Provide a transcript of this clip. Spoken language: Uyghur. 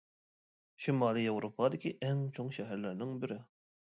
شىمالىي ياۋروپادىكى ئەڭ چوڭ شەھەرلەرنىڭ بىرى.